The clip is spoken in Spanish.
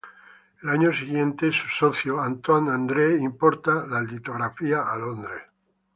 El año siguiente, su socio, Antoine Andre, importa la litografía a Londres.